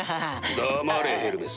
黙れヘルメス。